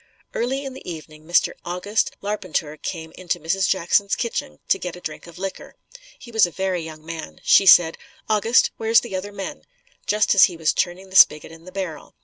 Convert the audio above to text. Early in the evening, Mr. August Larpenteur came into Mrs. Jackson's kitchen to get a drink of liquor. He was a very young man. She said, "August, where's the other men?" just as he was turning the spigot in the barrel.